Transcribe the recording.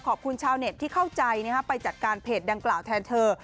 ขอบคุณชาวเน็ตที่เข้าใจไปจัดการเพจดังกล่าวแทนเธอ